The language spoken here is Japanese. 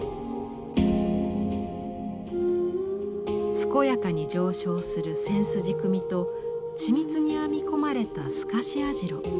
健やかに上昇する千筋組みと緻密に編み込まれた透かし網代。